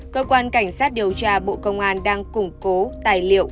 cơ quan cảnh sát điều tra bộ công an đang củng cố tài liệu